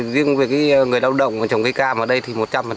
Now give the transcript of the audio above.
riêng với người lao động trồng cây cam ở đây thì một trăm linh